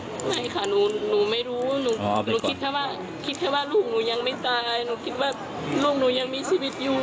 ไม่ค่ะหนูไม่รู้หนูคิดแค่ว่าคิดแค่ว่าลูกหนูยังไม่ตายอะไรหนูคิดว่าลูกหนูยังมีชีวิตอยู่